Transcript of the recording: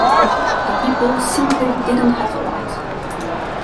The people simply didn't have a lot.